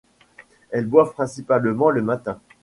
Elles boivent principalement le matin.